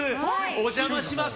お邪魔します。